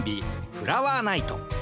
フラワーナイト。